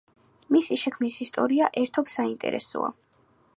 მისი შექმნის ისტორია ერთობ საინტერესოა.